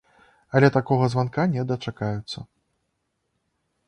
Але такога званка не дачакаюцца.